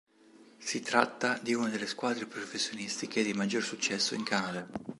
Si tratta di una delle squadre professionistiche di maggior successo in Canada.